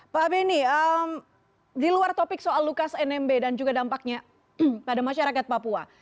pak benny di luar topik soal lukas nmb dan juga dampaknya pada masyarakat papua